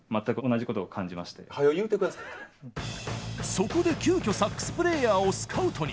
そこで急きょサックスプレーヤーをスカウトに。